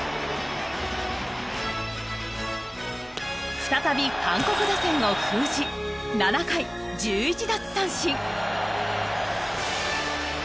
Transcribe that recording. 再び韓国打線を封じ７回１１奪三振。